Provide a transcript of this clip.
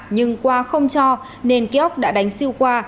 nhưng qua không cho nên ký ốc đã đánh sưu qua